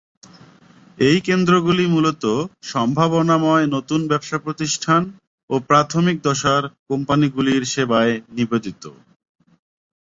এই কেন্দ্রগুলি মূলত সম্ভাবনাময় নতুন ব্যবসা প্রতিষ্ঠান ও প্রাথমিক দশার কোম্পানিগুলির সেবায় নিবেদিত।